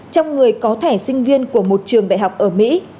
trong người có thẻ sinh viên của một trường đại học ở mỹ